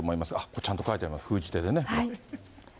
ちゃんと書いてあります、封じ手でね。